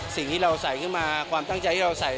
สิ่งที่เราใส่ขึ้นมาความตั้งใจที่เราใส่